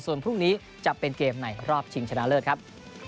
ส่วนพรุ่งนี้จะเป็นเกมในรอบชิงชนะเลิศครับ